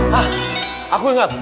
hah aku ingat